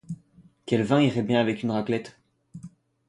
Quel vin irait bien avec une raclette ?